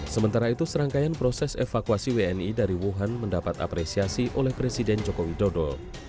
sementara itu serangkaian proses evakuasi wni dari wuhan mendapat apresiasi oleh presiden joko widodo